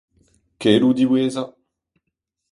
Keloù diwezhañ !